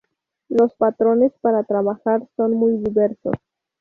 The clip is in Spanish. Los patrones para trabajar son muy diversos.